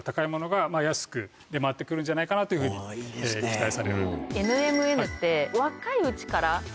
というふうに期待される。